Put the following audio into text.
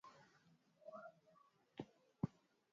Treni itafika saa tatu na nusu asubuhi